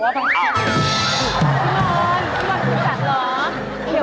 พี่ร้อนพี่ร้อนไม่จัดเหรอ